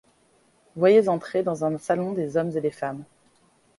Voyez entrer dans un salon des hommes, des femmes.